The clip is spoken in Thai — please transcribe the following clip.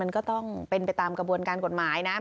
มันก็ต้องเป็นไปตามกระบวนการกฎหมายนะ